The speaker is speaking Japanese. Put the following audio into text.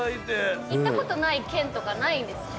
行ったことない県とかないですか？